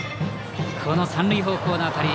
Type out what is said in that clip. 三塁方向の当たり。